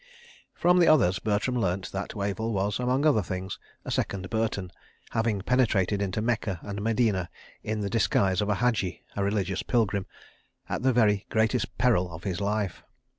From the others, Bertram learnt that Wavell was, among other things, a second Burton, having penetrated into Mecca and Medina in the disguise of a haji, a religious pilgrim, at the very greatest peril of his life.